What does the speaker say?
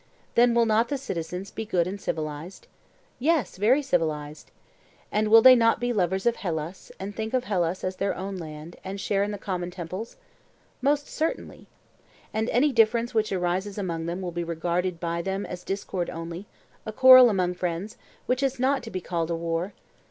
Then will not the citizens be good and civilized? Yes, very civilized. And will they not be lovers of Hellas, and think of Hellas as their own land, and share in the common temples? Most certainly. And any difference which arises among them will be regarded by them as discord only—a quarrel among friends, which is not to be called a war?